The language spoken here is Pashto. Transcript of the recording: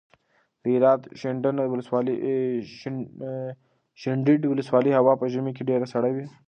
د هرات د شینډنډ ولسوالۍ هوا په ژمي کې ډېره سړه وي.